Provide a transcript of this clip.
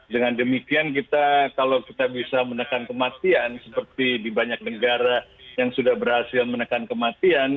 dengan demikian kita kalau kita bisa menekan kematian seperti di banyak negara yang sudah berhasil menekan kematian